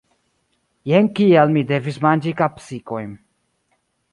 Jen kial mi devis manĝi kapsikojn.